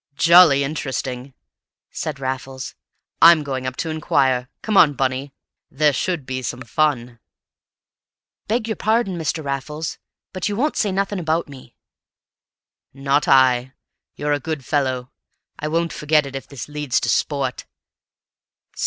"Jolly interesting!" said Raffles. "I'm going up to inquire. Come on, Bunny; there should be some fun." "Beg yer pardon, Mr. Raffles, but you won't say nothing about me?" "Not I; you're a good fellow. I won't forget it if this leads to sport.